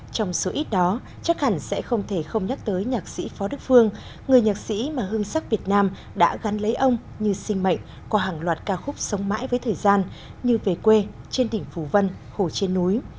trong số ít đó chắc hẳn sẽ không thể không nhắc tới nhạc sĩ phó đức phương người nhạc sĩ mà hương sắc việt nam đã gắn lấy ông như sinh mệnh qua hàng loạt ca khúc sống mãi với thời gian như về quê trên đỉnh phù vân hồ trên núi